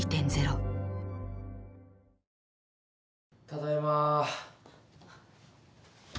・ただいま。